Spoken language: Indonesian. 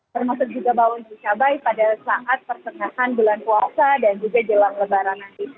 termasuk juga bawang cabai pada saat pertengahan bulan puasa dan juga jelang lebaran nanti